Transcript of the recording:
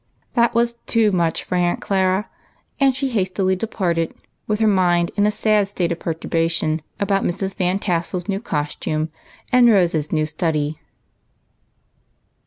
That was too much for Aunt Clara, and she hastily departed with her mind in a sad state of perturbation about Mrs. Van Tassel's new costume, and Rose's now study.